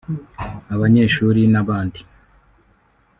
abanyeshuri n'abandi